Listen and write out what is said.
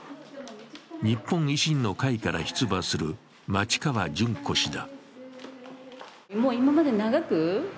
日本維新の会から出馬する町川順子氏だ。